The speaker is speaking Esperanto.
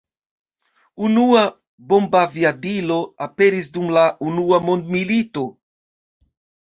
Unua bombaviadilo aperis dum la unua mondmilito.